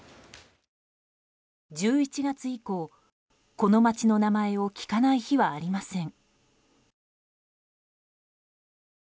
１１月以降この町の名前を聞かない日はありません。